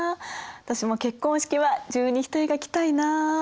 私も結婚式は十二単が着たいな。